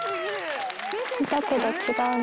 いたけど違うね。